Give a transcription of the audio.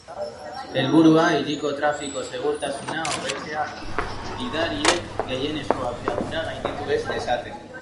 Helburua hiriko trafiko-segurtasuna hobetzea da, gidariek gehienezko abiadura gainditu ez dezaten.